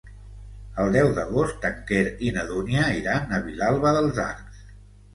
El deu d'agost en Quer i na Dúnia iran a Vilalba dels Arcs.